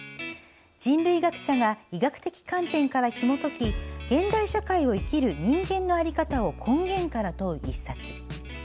人類学者が医学的観点からひも解き現代社会を生きる人間のあり方を根源から問う１冊。